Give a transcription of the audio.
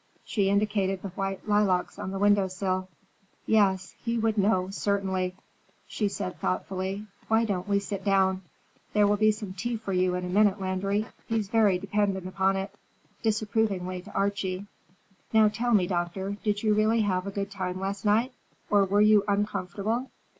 She indicated the white lilacs on the window sill. "Yes, he would know, certainly," she said thoughtfully. "Why don't we sit down? There will be some tea for you in a minute, Landry. He's very dependent upon it," disapprovingly to Archie. "Now tell me, Doctor, did you really have a good time last night, or were you uncomfortable?